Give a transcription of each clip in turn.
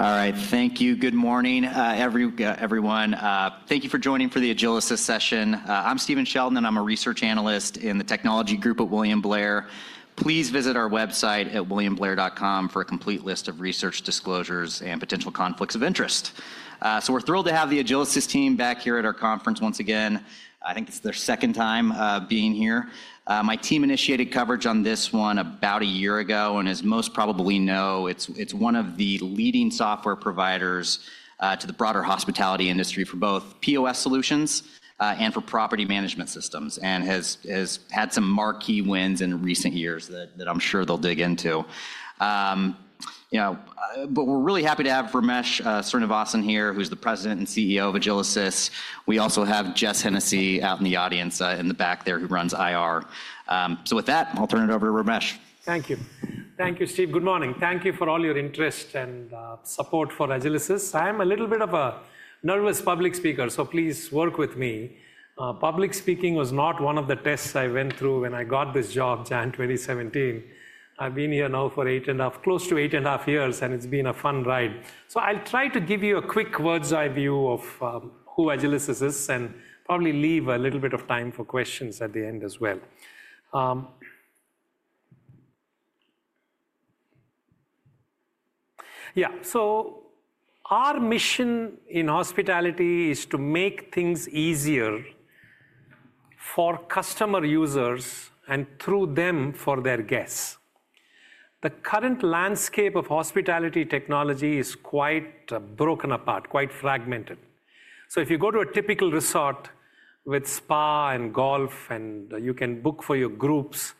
All right, thank you. Good morning, everyone. Thank you for joining for the Agilysys session. I'm Stephen Sheldon. I'm a research analyst in the technology group at William Blair. Please visit our website at williamblair.com for a complete list of research disclosures and potential conflicts of interest. We are thrilled to have the Agilysys team back here at our conference once again. I think it's their second time being here. My team initiated coverage on this one about a year ago. As most probably know, it's one of the leading software providers to the broader hospitality industry for both POS solutions and for property management systems, and has had some marquee wins in recent years that I'm sure they'll dig into. We are really happy to have Ramesh Srinivasan here, who's the President and CEO of Agilysys. We also have Jess Hennessy out in the audience in the back there who runs IR. With that, I'll turn it over to Ramesh. Thank you. Thank you, Steve. Good morning. Thank you for all your interest and support for Agilysys. I'm a little bit of a nervous public speaker, so please work with me. Public speaking was not one of the tests I went through when I got this job, January 2017. I've been here now for close to eight and a half years, and it's been a fun ride. I'll try to give you a quick words of view of who Agilysys is and probably leave a little bit of time for questions at the end as well. Yeah, our mission in hospitality is to make things easier for customer users and through them for their guests. The current landscape of hospitality technology is quite broken apart, quite fragmented. If you go to a typical resort with spa and golf, and you can book for your groups,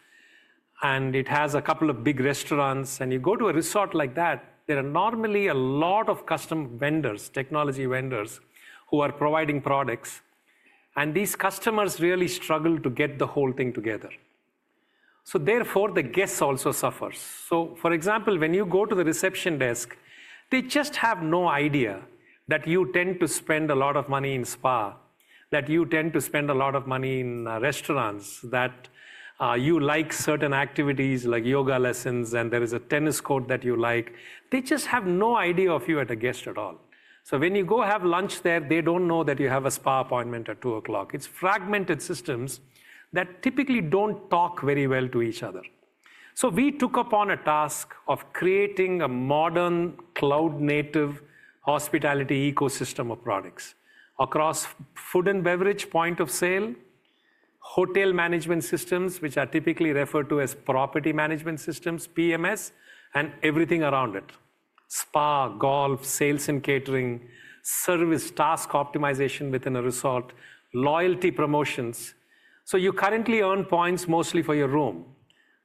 and it has a couple of big restaurants, and you go to a resort like that, there are normally a lot of custom vendors, technology vendors, who are providing products. These customers really struggle to get the whole thing together. Therefore, the guests also suffer. For example, when you go to the reception desk, they just have no idea that you tend to spend a lot of money in spa, that you tend to spend a lot of money in restaurants, that you like certain activities like yoga lessons, and there is a tennis court that you like. They just have no idea of you as a guest at all. When you go have lunch there, they do not know that you have a spa appointment at 2:00 P.M. It is fragmented systems that typically do not talk very well to each other. We took upon a task of creating a modern cloud-native hospitality ecosystem of products across food and beverage point of sale, hotel management systems, which are typically referred to as property management systems, PMS, and everything around it: spa, golf, sales and catering, service task optimization within a resort, loyalty promotions. You currently earn points mostly for your room.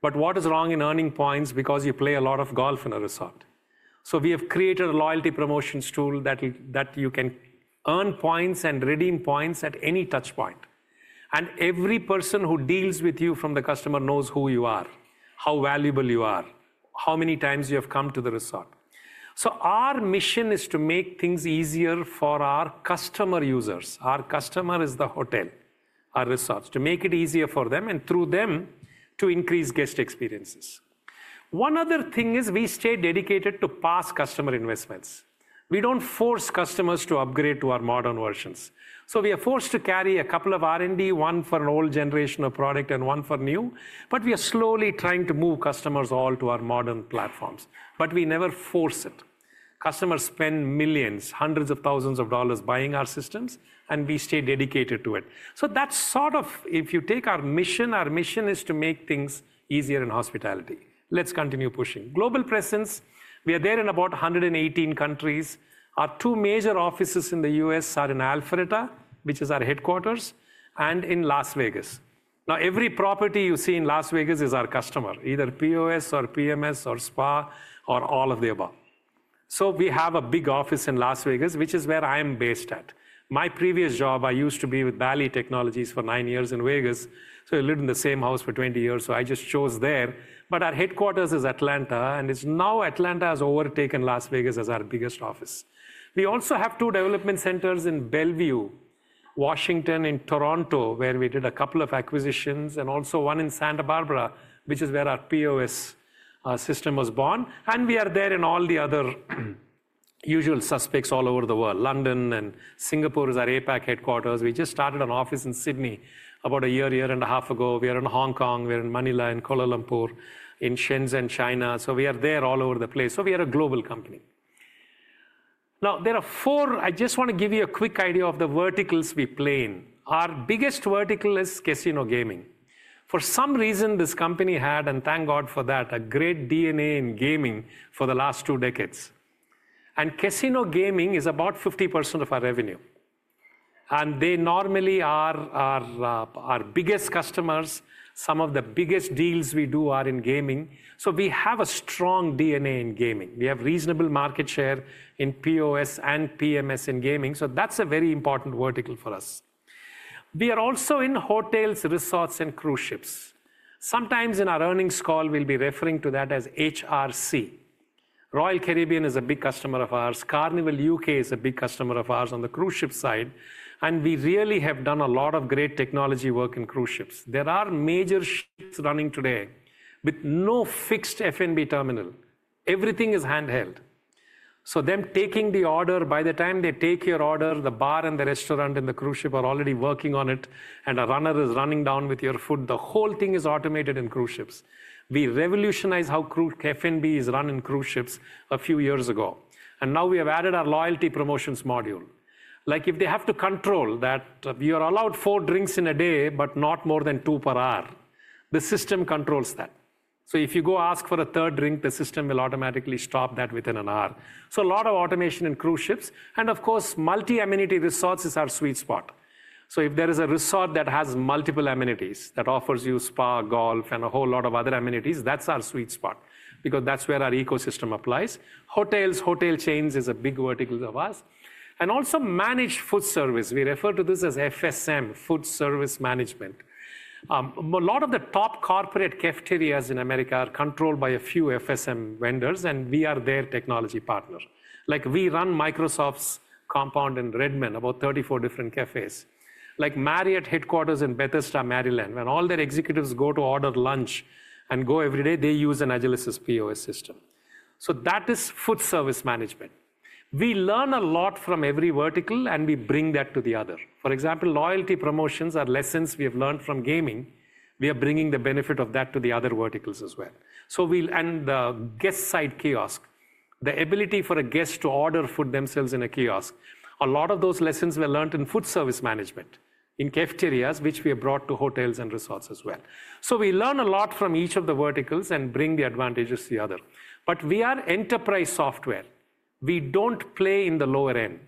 What is wrong in earning points because you play a lot of golf in a resort? We have created a loyalty promotions tool that you can earn points and redeem points at any touch point. Every person who deals with you from the customer knows who you are, how valuable you are, how many times you have come to the resort. Our mission is to make things easier for our customer users. Our customer is the hotel, our resorts, to make it easier for them and through them to increase guest experiences. One other thing is we stay dedicated to past customer investments. We do not force customers to upgrade to our modern versions. We are forced to carry a couple of R&D, one for an old generation of product and one for new. We are slowly trying to move customers all to our modern platforms. We never force it. Customers spend millions, hundreds of thousands of dollars buying our systems, and we stay dedicated to it. That's sort of if you take our mission, our mission is to make things easier in hospitality. Let's continue pushing. Global presence, we are there in about 118 countries. Our two major offices in the U.S. are in Alpharetta, which is our headquarters, and in Las Vegas. Now, every property you see in Las Vegas is our customer, either POS or PMS or spa or all of the above. We have a big office in Las Vegas, which is where I am based at. My previous job, I used to be with Valley Technologies for nine years in Vegas. I lived in the same house for 20 years. I just chose there. Our headquarters is Atlanta. Now Atlanta has overtaken Las Vegas as our biggest office. We also have two development centers in Bellevue, Washington, in Toronto, where we did a couple of acquisitions, and also one in Santa Barbara, which is where our POS system was born. We are there in all the other usual suspects all over the world. London and Singapore is our APAC headquarters. We just started an office in Sydney about a year, year and a half ago. We are in Hong Kong. We are in Manila and Kuala Lumpur, in Shenzhen, China. We are there all over the place. We are a global company. Now, there are four I just want to give you a quick idea of the verticals we play in. Our biggest vertical is casino gaming. For some reason, this company had, and thank God for that, a great DNA in gaming for the last two decades. Casino gaming is about 50% of our revenue. They normally are our biggest customers. Some of the biggest deals we do are in gaming. We have a strong DNA in gaming. We have reasonable market share in POS and PMS in gaming. That is a very important vertical for us. We are also in hotels, resorts, and cruise ships. Sometimes in our earnings call, we will be referring to that as HRC. Royal Caribbean is a big customer of ours. Carnival UK is a big customer of ours on the cruise ship side. We really have done a lot of great technology work in cruise ships. There are major ships running today with no fixed F&B terminal. Everything is handheld. Them taking the order, by the time they take your order, the bar and the restaurant and the cruise ship are already working on it. A runner is running down with your food. The whole thing is automated in cruise ships. We revolutionized how F&B is run in cruise ships a few years ago. Now we have added our loyalty promotions module. Like if they have to control that you are allowed four drinks in a day, but not more than two per hour, the system controls that. If you go ask for a third drink, the system will automatically stop that within an hour. A lot of automation in cruise ships. Of course, multi-amenity resorts is our sweet spot. If there is a resort that has multiple amenities that offers you spa, golf, and a whole lot of other amenities, that's our sweet spot because that's where our ecosystem applies. Hotels, hotel chains is a big vertical of ours. Also managed food service. We refer to this as FSM, food service management. A lot of the top corporate cafeterias in America are controlled by a few FSM vendors. We are their technology partner. Like we run Microsoft's compound in Redmond, about 34 different cafes. Like Marriott headquarters in Bethesda, Maryland, when all their executives go to order lunch and go every day, they use an Agilysys POS system. That is food service management. We learn a lot from every vertical, and we bring that to the other. For example, loyalty promotions are lessons we have learned from gaming. We are bringing the benefit of that to the other verticals as well. The guest side kiosk, the ability for a guest to order food themselves in a kiosk, a lot of those lessons were learned in food service management, in cafeterias, which we have brought to hotels and resorts as well. We learn a lot from each of the verticals and bring the advantages to the other. We are enterprise software. We do not play in the lower end.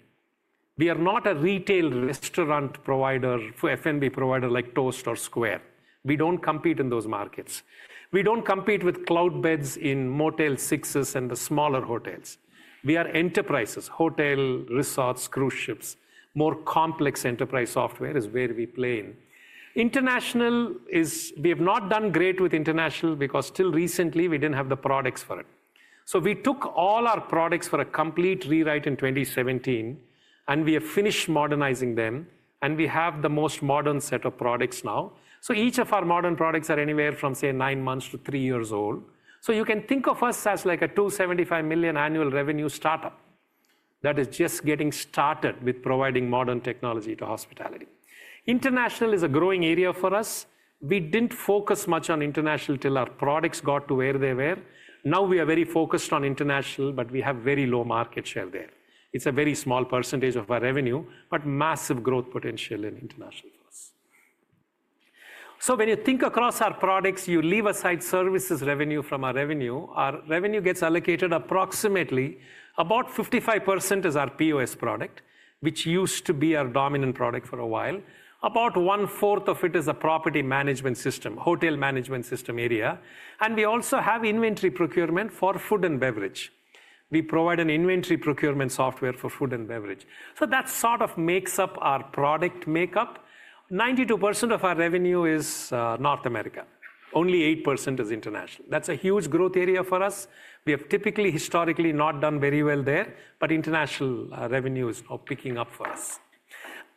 We are not a retail restaurant provider, F&B provider like Toast or Square. We do not compete in those markets. We do not compete with Cloudbeds in Motel Sixes and the smaller hotels. We are enterprises, hotel, resorts, cruise ships. More complex enterprise software is where we play in. International is we have not done great with international because till recently, we did not have the products for it. We took all our products for a complete rewrite in 2017. We have finished modernizing them. We have the most modern set of products now. Each of our modern products are anywhere from, say, nine months to three years old. You can think of us as like a $275 million annual revenue startup that is just getting started with providing modern technology to hospitality. International is a growing area for us. We did not focus much on international till our products got to where they were. Now we are very focused on international, but we have very low market share there. It is a very small percentage of our revenue, but massive growth potential in international for us. When you think across our products, you leave aside services revenue from our revenue, our revenue gets allocated approximately about 55% is our POS product, which used to be our dominant product for a while. About one fourth of it is a property management system, hotel management system area. We also have inventory procurement for food and beverage. We provide an inventory procurement software for food and beverage. That sort of makes up our product makeup. 92% of our revenue is North America. Only 8% is international. That's a huge growth area for us. We have typically, historically, not done very well there. International revenue is now picking up for us.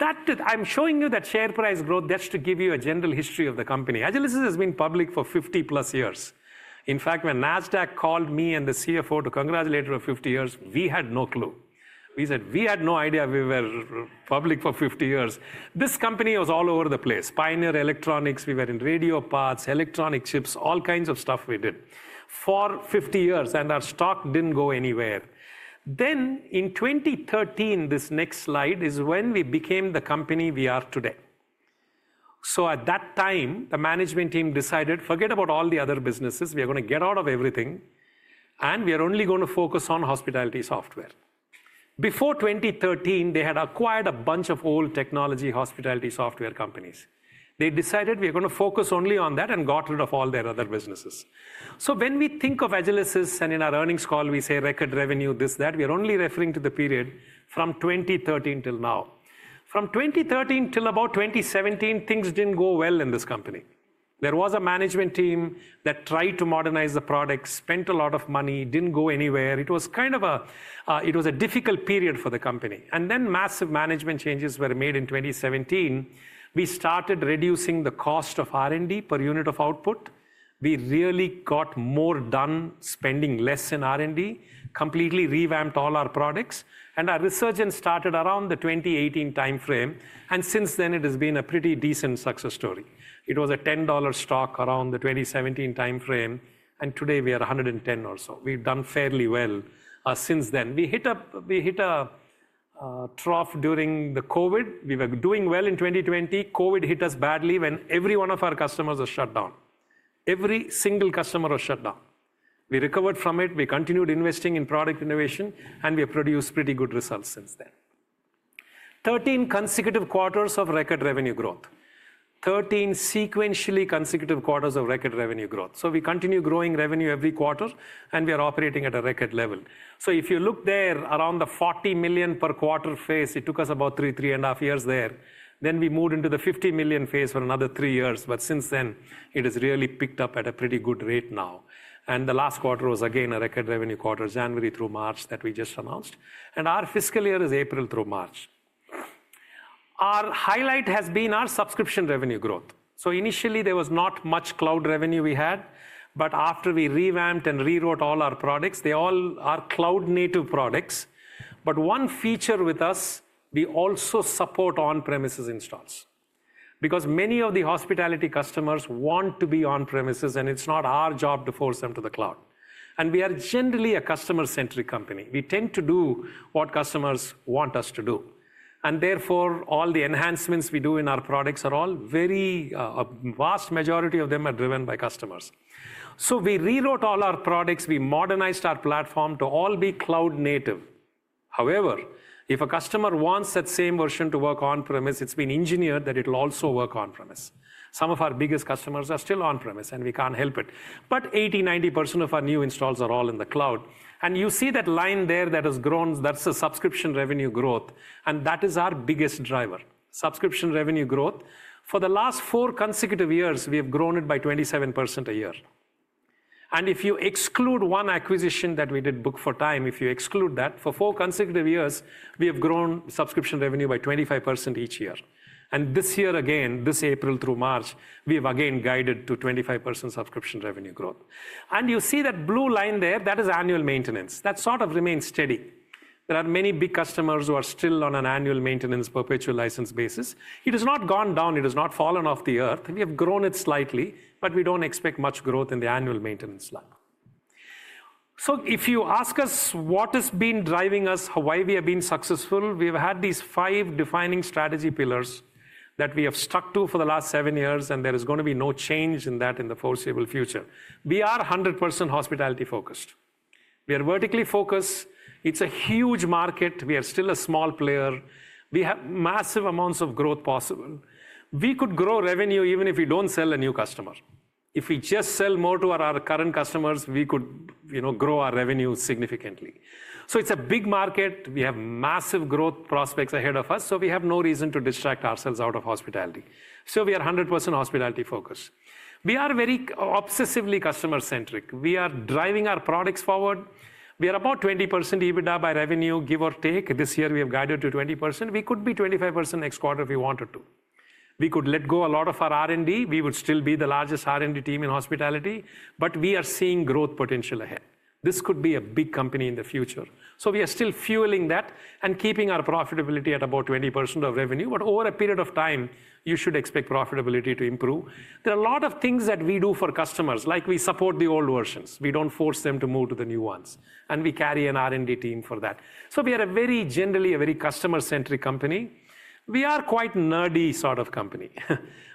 I'm showing you that share price growth. That's to give you a general history of the company. Agilysys has been public for 50+ years. In fact, when NASDAQ called me and the CFO to congratulate her on 50 years, we had no clue. We said we had no idea we were public for 50 years. This company was all over the place. Pioneer Electronics, we were in radio parts, electronic chips, all kinds of stuff we did for 50 years. Our stock didn't go anywhere. In 2013, this next slide is when we became the company we are today. At that time, the management team decided, forget about all the other businesses. We are going to get out of everything. We are only going to focus on hospitality software. Before 2013, they had acquired a bunch of old technology hospitality software companies. They decided we are going to focus only on that and got rid of all their other businesses. When we think of Agilysys and in our earnings call, we say record revenue, this, that, we are only referring to the period from 2013 till now. From 2013 till about 2017, things didn't go well in this company. There was a management team that tried to modernize the products, spent a lot of money, didn't go anywhere. It was a difficult period for the company. Massive management changes were made in 2017. We started reducing the cost of R&D per unit of output. We really got more done, spending less in R&D, completely revamped all our products. Our resurgence started around the 2018 time frame. Since then, it has been a pretty decent success story. It was a $10 stock around the 2017 time frame. Today, we are $110 or so. We've done fairly well since then. We hit a trough during COVID. We were doing well in 2020. COVID hit us badly when every one of our customers was shut down. Every single customer was shut down. We recovered from it. We continued investing in product innovation. We have produced pretty good results since then. Thirteen consecutive quarters of record revenue growth. Thirteen sequentially consecutive quarters of record revenue growth. We continue growing revenue every quarter. We are operating at a record level. If you look there, around the $40 million per quarter phase, it took us about three, three and a half years there. We moved into the $50 million phase for another three years. Since then, it has really picked up at a pretty good rate now. The last quarter was again a record revenue quarter, January through March that we just announced. Our fiscal year is April through March. Our highlight has been our subscription revenue growth. Initially, there was not much cloud revenue we had. After we revamped and rewrote all our products, they all are cloud-native products. One feature with us, we also support on-premises installs because many of the hospitality customers want to be on-premises. It is not our job to force them to the cloud. We are generally a customer-centric company. We tend to do what customers want us to do. Therefore, all the enhancements we do in our products are all, a vast majority of them are driven by customers. We rewrote all our products. We modernized our platform to all be cloud-native. However, if a customer wants that same version to work on-premise, it has been engineered that it will also work on-premise. Some of our biggest customers are still on-premise. We can't help it. 80%-90% of our new installs are all in the cloud. You see that line there that has grown, that's the subscription revenue growth. That is our biggest driver, subscription revenue growth. For the last four consecutive years, we have grown it by 27% a year. If you exclude one acquisition that we did, Book4Time, if you exclude that, for four consecutive years, we have grown subscription revenue by 25% each year. This year again, this April through March, we have again guided to 25% subscription revenue growth. You see that blue line there, that is annual maintenance. That sort of remains steady. There are many big customers who are still on an annual maintenance perpetual license basis. It has not gone down. It has not fallen off the earth. We have grown it slightly. We do not expect much growth in the annual maintenance line. If you ask us what has been driving us, why we have been successful, we have had these five defining strategy pillars that we have stuck to for the last seven years. There is going to be no change in that in the foreseeable future. We are 100% hospitality-focused. We are vertically focused. It's a huge market. We are still a small player. We have massive amounts of growth possible. We could grow revenue even if we don't sell a new customer. If we just sell more to our current customers, we could grow our revenue significantly. It's a big market. We have massive growth prospects ahead of us. We have no reason to distract ourselves out of hospitality. We are 100% hospitality-focused. We are very obsessively customer-centric. We are driving our products forward. We are about 20% EBITDA by revenue, give or take. This year, we have guided to 20%. We could be 25% next quarter if we wanted to. We could let go a lot of our R&D. We would still be the largest R&D team in hospitality. We are seeing growth potential ahead. This could be a big company in the future. We are still fueling that and keeping our profitability at about 20% of revenue. Over a period of time, you should expect profitability to improve. There are a lot of things that we do for customers. Like we support the old versions. We do not force them to move to the new ones. We carry an R&D team for that. We are generally a very customer-centric company. We are quite a nerdy sort of company.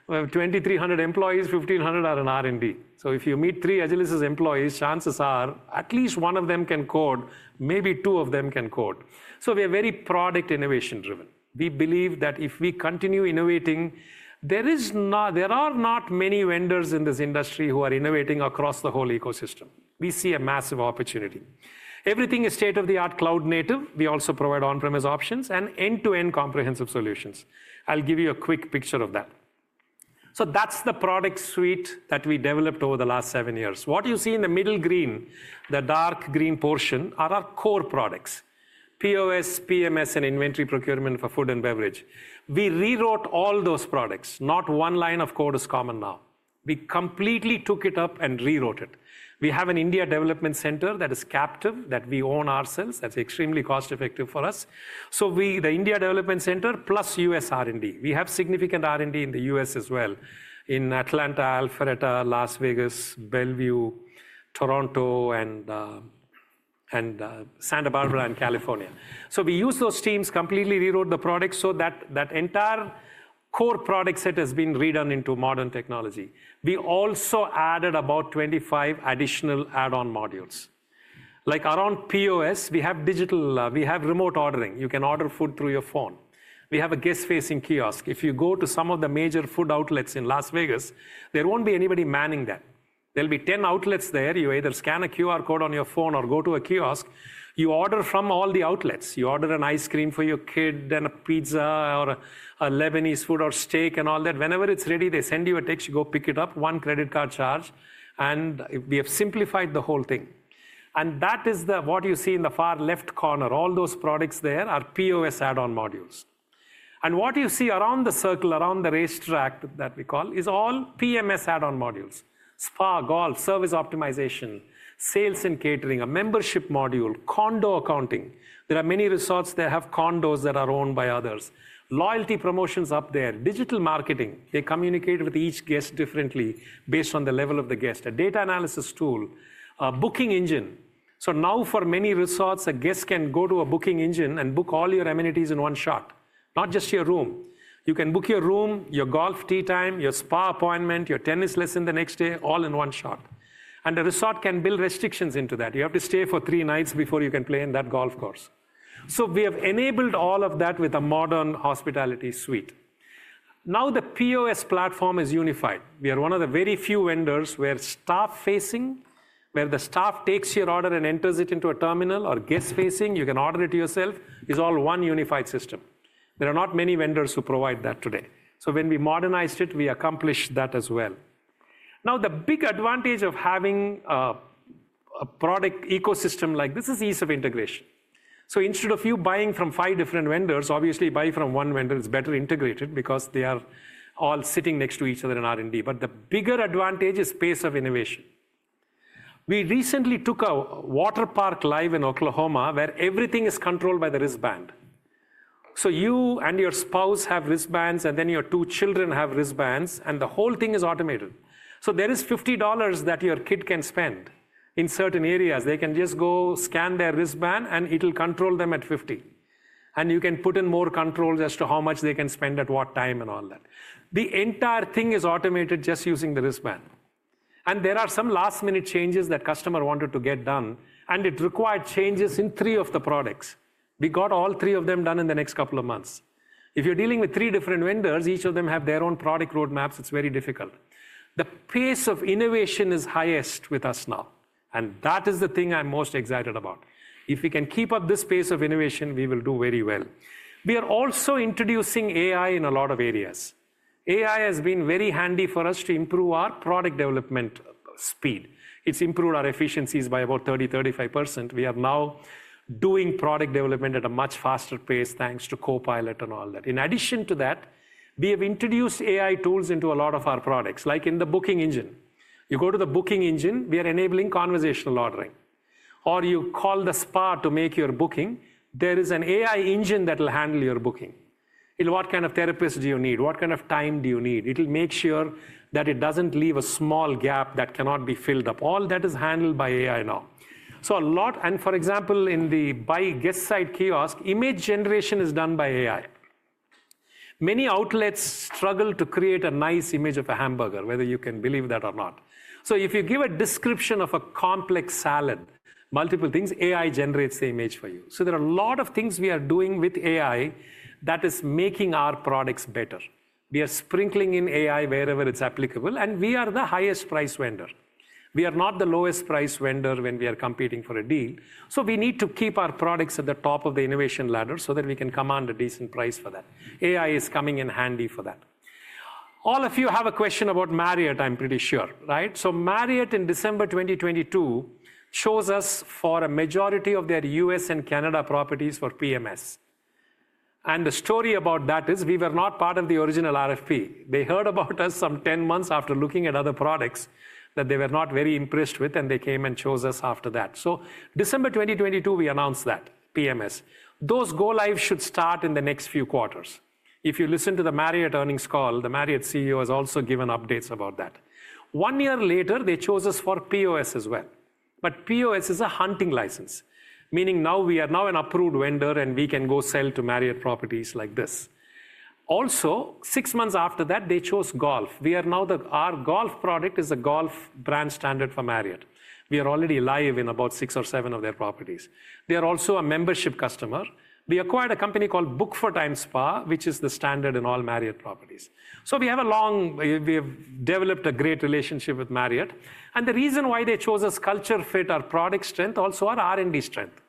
We have 2,300 employees. 1,500 are in R&D. If you meet three Agilysys employees, chances are at least one of them can code. Maybe two of them can code. We are very product innovation-driven. We believe that if we continue innovating, there are not many vendors in this industry who are innovating across the whole ecosystem. We see a massive opportunity. Everything is state-of-the-art, cloud-native. We also provide on-premise options and end-to-end comprehensive solutions. I'll give you a quick picture of that. That is the product suite that we developed over the last seven years. What you see in the middle green, the dark green portion, are our core products: POS, PMS, and inventory procurement for food and beverage. We rewrote all those products. Not one line of code is common now. We completely took it up and rewrote it. We have an India Development Center that is captive that we own ourselves. That is extremely cost-effective for us. The India Development Center plus U.S. R&D. We have significant R&D in the U.S. as well, in Atlanta, Alpharetta, Las Vegas, Bellevue, Toronto, and Santa Barbara, California. We used those teams, completely rewrote the products so that that entire core product set has been redone into modern technology. We also added about 25 additional add-on modules. Like around POS, we have digital, we have remote ordering. You can order food through your phone. We have a guest-facing kiosk. If you go to some of the major food outlets in Las Vegas, there will not be anybody manning that. There will be 10 outlets there. You either scan a QR code on your phone or go to a kiosk. You order from all the outlets. You order an ice cream for your kid and a pizza or Lebanese food or steak and all that. Whenever it is ready, they send you a text. You go pick it up, one credit card charge. We have simplified the whole thing. That is what you see in the far left corner. All those products there are POS add-on modules. What you see around the circle, around the racetrack that we call, is all PMS add-on modules: spa, golf, service optimization, sales and catering, a membership module, condo accounting. There are many resorts that have condos that are owned by others. Loyalty promotions up there, digital marketing. They communicate with each guest differently based on the level of the guest. A data analysis tool, a booking engine. Now for many resorts, a guest can go to a booking engine and book all your amenities in one shot, not just your room. You can book your room, your golf tee time, your spa appointment, your tennis lesson the next day, all in one shot. The resort can build restrictions into that. You have to stay for three nights before you can play in that golf course. We have enabled all of that with a modern hospitality suite. Now the POS platform is unified. We are one of the very few vendors where staff-facing, where the staff takes your order and enters it into a terminal, or guest-facing, you can order it yourself, is all one unified system. There are not many vendors who provide that today. When we modernized it, we accomplished that as well. The big advantage of having a product ecosystem like this is ease of integration. Instead of you buying from five different vendors, obviously buy from one vendor. It is better integrated because they are all sitting next to each other in R&D. The bigger advantage is pace of innovation. We recently took a water park live in Oklahoma where everything is controlled by the wristband. You and your spouse have wristbands, and then your two children have wristbands. The whole thing is automated. There is $50 that your kid can spend in certain areas. They can just go scan their wristband, and it will control them at $50. You can put in more controls as to how much they can spend at what time and all that. The entire thing is automated just using the wristband. There are some last-minute changes that customer wanted to get done. It required changes in three of the products. We got all three of them done in the next couple of months. If you are dealing with three different vendors, each of them have their own product roadmaps, it is very difficult. The pace of innovation is highest with us now. That is the thing I'm most excited about. If we can keep up this pace of innovation, we will do very well. We are also introducing AI in a lot of areas. AI has been very handy for us to improve our product development speed. It's improved our efficiencies by about 30%-35%. We are now doing product development at a much faster pace thanks to Copilot and all that. In addition to that, we have introduced AI tools into a lot of our products. Like in the booking engine, you go to the booking engine, we are enabling conversational ordering. Or you call the spa to make your booking. There is an AI engine that will handle your booking. What kind of therapist do you need? What kind of time do you need? It'll make sure that it doesn't leave a small gap that cannot be filled up. All that is handled by AI now. So a lot, and for example, in the guest-facing kiosk, image generation is done by AI. Many outlets struggle to create a nice image of a hamburger, whether you can believe that or not. If you give a description of a complex salad, multiple things, AI generates the image for you. There are a lot of things we are doing with AI that is making our products better. We are sprinkling in AI wherever it's applicable. We are the highest price vendor. We are not the lowest price vendor when we are competing for a deal. We need to keep our products at the top of the innovation ladder so that we can command a decent price for that. AI is coming in handy for that. All of you have a question about Marriott, I'm pretty sure, right? Marriott in December 2022 chose us for a majority of their U.S. and Canada properties for PMS. The story about that is we were not part of the original RFP. They heard about us some 10 months after looking at other products that they were not very impressed with. They came and chose us after that. December 2022, we announced that PMS. Those go-lives should start in the next few quarters. If you listen to the Marriott earnings call, the Marriott CEO has also given updates about that. One year later, they chose us for POS as well. POS is a hunting license, meaning now we are now an approved vendor. We can go sell to Marriott properties like this. Also, six months after that, they chose golf. We are now the, our golf product is a golf brand standard for Marriott. We are already live in about six or seven of their properties. They are also a membership customer. We acquired a company called Book4Time Spa, which is the standard in all Marriott properties. We have developed a great relationship with Marriott. The reason why they chose us: culture fit, our product strength, also our R&D strength.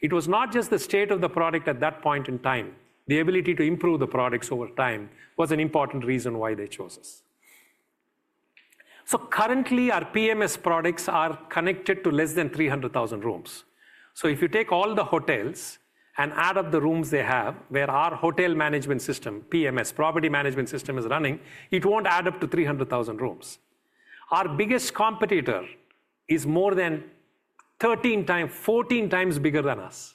It was not just the state of the product at that point in time. The ability to improve the products over time was an important reason why they chose us. Currently, our PMS products are connected to less than 300,000 rooms. If you take all the hotels and add up the rooms they have, where our hotel management system, PMS, property management system is running, it will not add up to 300,000 rooms. Our biggest competitor is more than 13x, 14x bigger than us.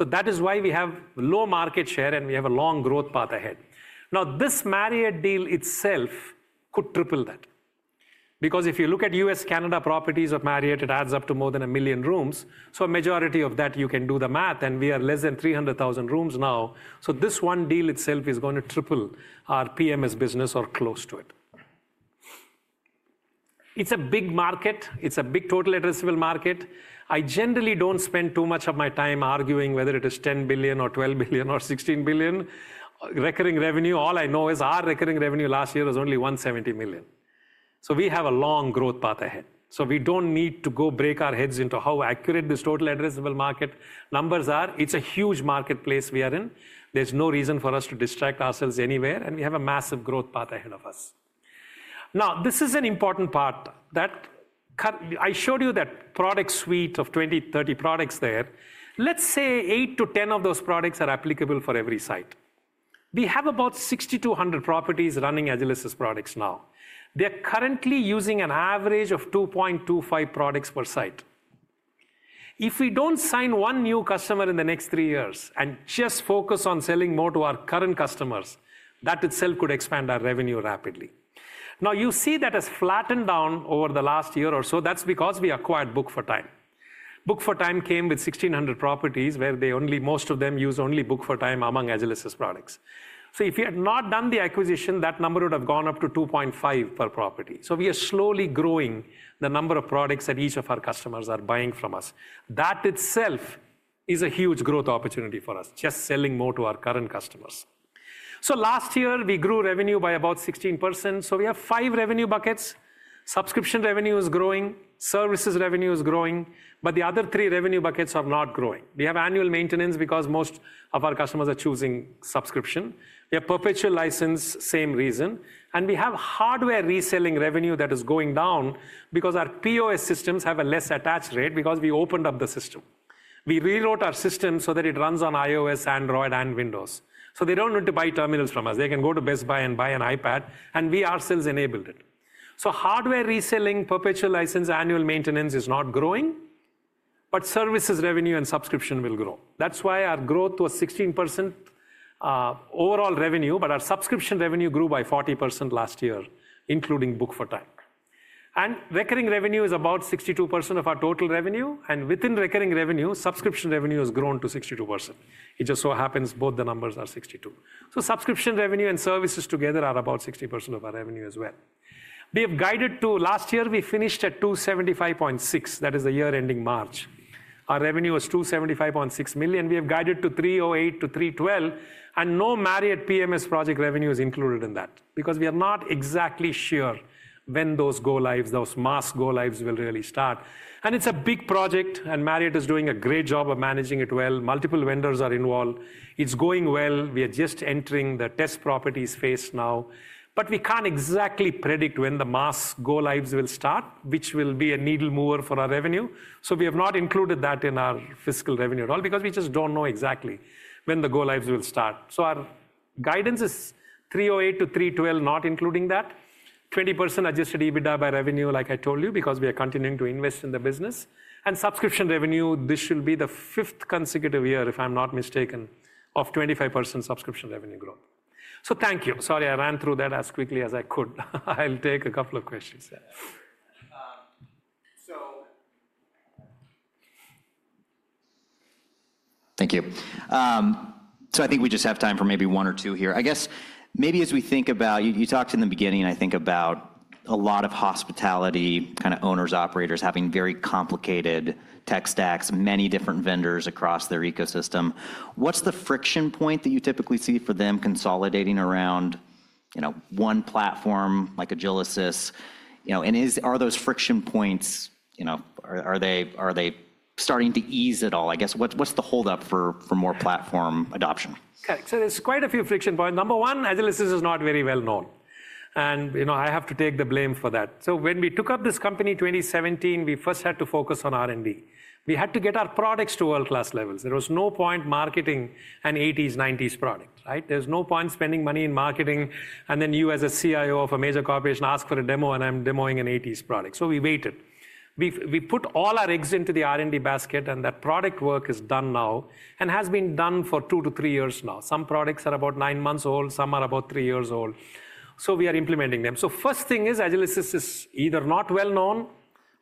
That is why we have low market share and we have a long growth path ahead. Now this Marriott deal itself could triple that. Because if you look at U.S., Canada properties of Marriott, it adds up to more than a million rooms. A majority of that, you can do the math. We are less than 300,000 rooms now. This one deal itself is going to triple our PMS business or close to it. It is a big market. It is a big total addressable market. I generally don't spend too much of my time arguing whether it is $10 billion or $12 billion or $16 billion recurring revenue. All I know is our recurring revenue last year was only $170 million. We have a long growth path ahead. We don't need to go break our heads into how accurate these total addressable market numbers are. It's a huge marketplace we are in. There's no reason for us to distract ourselves anywhere. We have a massive growth path ahead of us. Now this is an important part that I showed you, that product suite of 20-30 products there. Let's say eight to 10 of those products are applicable for every site. We have about 6,200 properties running Agilysys products now. They're currently using an average of 2.25 products per site. If we don't sign one new customer in the next three years and just focus on selling more to our current customers, that itself could expand our revenue rapidly. Now you see that has flattened down over the last year or so. That's because we acquired Book4Time. Book4Time came with 1,600 properties where they only, most of them use only Book4Time among Agilysys products. So if you had not done the acquisition, that number would have gone up to 2.5 per property. We are slowly growing the number of products that each of our customers are buying from us. That itself is a huge growth opportunity for us, just selling more to our current customers. Last year, we grew revenue by about 16%. We have five revenue buckets. Subscription revenue is growing. Services revenue is growing. The other three revenue buckets are not growing. We have annual maintenance because most of our customers are choosing subscription. We have perpetual license, same reason. We have hardware reselling revenue that is going down because our POS systems have a less attached rate because we opened up the system. We rewrote our system so that it runs on iOS, Android, and Windows. They do not need to buy terminals from us. They can go to Best Buy and buy an iPad. We ourselves enabled it. Hardware reselling, perpetual license, annual maintenance is not growing. Services revenue and subscription will grow. That is why our growth was 16% overall revenue. Our subscription revenue grew by 40% last year, including Book4Time. Recurring revenue is about 62% of our total revenue. Within recurring revenue, subscription revenue has grown to 62%. It just so happens both the numbers are 62. Subscription revenue and services together are about 60% of our revenue as well. We have guided to last year, we finished at $275.6 million. That is the year ending March. Our revenue was $275.6 million. We have guided to $308 million-$312 million. No Marriott PMS project revenue is included in that because we are not exactly sure when those go-lives, those mass go-lives will really start. It is a big project. Marriott is doing a great job of managing it well. Multiple vendors are involved. It is going well. We are just entering the test properties phase now. We cannot exactly predict when the mass go-lives will start, which will be a needle mover for our revenue. We have not included that in our fiscal revenue at all because we just do not know exactly when the go-lives will start. Our guidance is $308 million-$312 million, not including that. 20% adjusted EBITDA by revenue, like I told you, because we are continuing to invest in the business. Subscription revenue, this should be the fifth consecutive year, if I am not mistaken, of 25% subscription revenue growth. Thank you. Sorry, I ran through that as quickly as I could. I will take a couple of questions. Thank you. I think we just have time for maybe one or two here. I guess maybe as we think about, you talked in the beginning, I think, about a lot of hospitality, kind of owners, operators having very complicated tech stacks, many different vendors across their ecosystem. What is the friction point that you typically see for them consolidating around one platform like Agilysys? Are those friction points, are they starting to ease at all? I guess what is the holdup for more platform adoption? There are quite a few friction points. Number one, Agilysys is not very well known. I have to take the blame for that. When we took up this company in 2017, we first had to focus on R&D. We had to get our products to world-class levels. There was no point marketing an '80s, '90s product, right? There is no point spending money in marketing, and then you as a CIO of a major corporation ask for a demo, and I am demoing an '80s product. We waited. We put all our eggs into the R&D basket. That product work is done now and has been done for two to three years now. Some products are about nine months old. Some are about three years old. We are implementing them. First thing is Agilysys is either not well known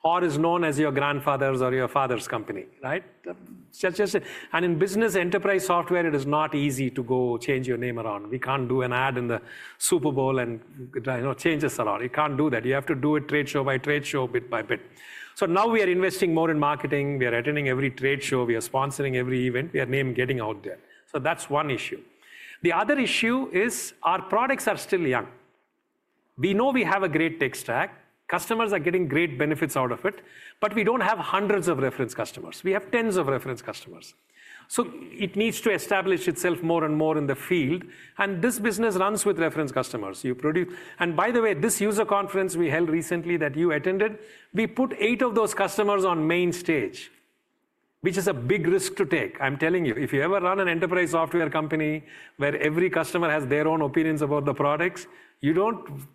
or is known as your grandfather's or your father's company, right? In business enterprise software, it is not easy to go change your name around. We can't do an ad in the Super Bowl and change us around. You can't do that. You have to do it trade show by trade show, bit by bit. Now we are investing more in marketing. We are attending every trade show. We are sponsoring every event. We are getting out there. That is one issue. The other issue is our products are still young. We know we have a great tech stack. Customers are getting great benefits out of it. We do not have hundreds of reference customers. We have tens of reference customers. It needs to establish itself more and more in the field. This business runs with reference customers. By the way, this user conference we held recently that you attended, we put eight of those customers on main stage, which is a big risk to take. I'm telling you, if you ever run an enterprise software company where every customer has their own opinions about the products,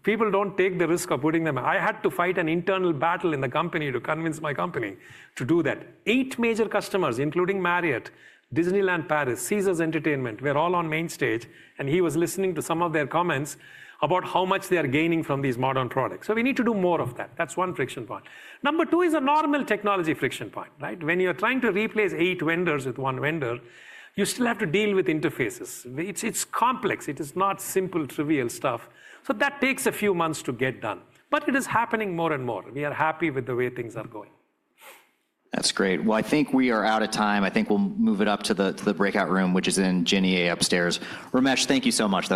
people do not take the risk of putting them. I had to fight an internal battle in the company to convince my company to do that. Eight major customers, including Marriott, Disneyland Paris, Caesars Entertainment, were all on main stage. He was listening to some of their comments about how much they are gaining from these modern products. We need to do more of that. That is one friction point. Number two is a normal technology friction point, right? When you're trying to replace eight vendors with one vendor, you still have to deal with interfaces. It's complex. It is not simple, trivial stuff. That takes a few months to get done. It is happening more and more. We are happy with the way things are going. That's great. I think we are out of time. I think we'll move it up to the breakout room, which is in Jenny A upstairs. Ramesh, thank you so much.